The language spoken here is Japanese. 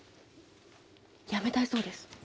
辞めたいそうです。